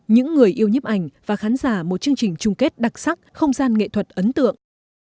những người yêu nhếp ảnh và khán giả một chương trình chung kết đặc sắc không gian nghệ thuật ấn tượng